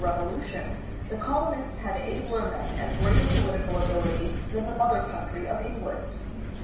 Rev olution, the colonists had abler men and greater political ability than the mother country of England.